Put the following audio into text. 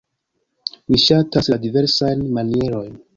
Mi ŝatas la diversajn manierojn.